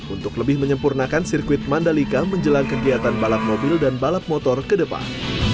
untuk lebih menyempurnakan sirkuit mandalika menjelang kegiatan balap mobil dan balap motor ke depan